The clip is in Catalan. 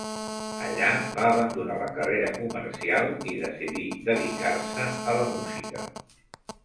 Allà va abandonar la carrera comercial i decidir dedicar-se a la música.